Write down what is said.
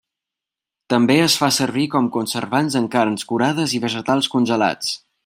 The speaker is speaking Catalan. També es fa servir com conservants en carns curades i vegetals congelats.